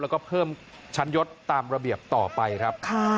แล้วก็เพิ่มชั้นยศตามระเบียบต่อไปครับ